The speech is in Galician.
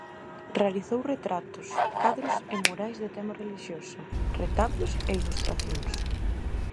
Realizou retratos, cadros e murais de tema relixioso, retablos e ilustracións.